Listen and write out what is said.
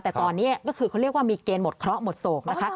แต่ตอนนี้ก็คือเขาเรียกว่ามีเกณฑ์หมดเคราะห์หมดโศกนะคะ